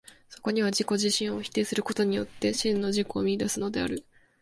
そこには自己自身を否定することによって、真の自己を見出すのである。